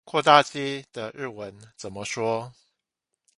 擴大機的日文怎麼說？